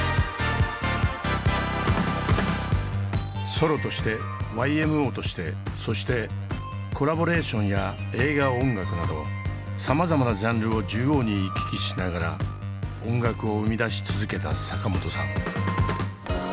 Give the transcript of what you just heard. ソロとしてＹＭＯとしてそしてコラボレーションや映画音楽などさまざまなジャンルを縦横に行き来しながら音楽を生み出し続けた坂本さん。